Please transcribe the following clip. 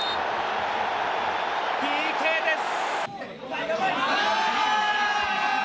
ＰＫです！